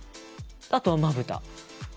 あとはまぶた。